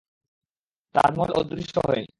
তাজমহল অদৃশ্য হয়নি।